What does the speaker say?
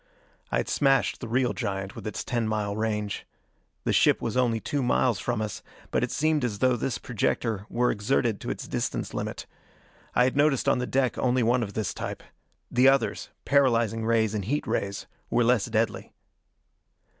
I had smashed the real giant, with its ten mile range. The ship was only two miles from us, but it seemed as though this projector were exerted to its distance limit. I had noticed on the deck only one of this type. The others, paralyzing rays and heat rays, were less deadly.